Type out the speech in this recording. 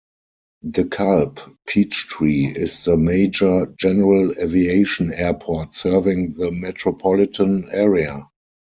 DeKalb-Peachtree is the major general aviation airport serving the metropolitan area.